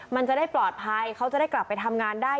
มันจะได้ปลอดภัยเขาจะได้กลับไปทำงานได้